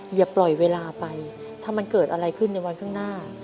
อย่าปล่อยเวลาไปถ้ามันเกิดอะไรขึ้นในวันข้างหน้า